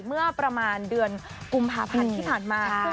เมื่อประมาณเดือนกุมภาพันธ์ที่ผ่านมา